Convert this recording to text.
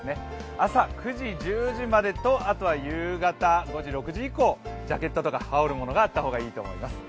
朝９時、１０時までと、あとは夕方５時、６時ぐらいはジャケットとか羽織るものがあった方がいいと思います。